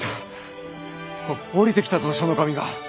降りてきたぞ書の神が！